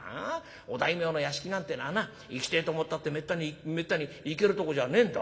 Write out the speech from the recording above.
お大名の屋敷なんてえのはな行きてえと思ったってめったに行けるとこじゃねえんだ。